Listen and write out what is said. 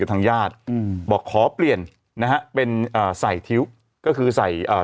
ทางญาติอืมบอกขอเปลี่ยนนะฮะเป็นอ่าใส่ทิ้วก็คือใส่อ่า